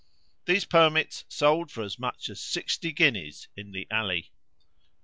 These permits sold for as much as sixty guineas in the Alley.